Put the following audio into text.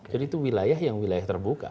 jadi itu wilayah yang terbuka